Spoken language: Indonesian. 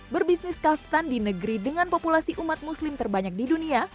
berbisnis kaftan di negeri dengan populasi umat muslim terbanyak di dunia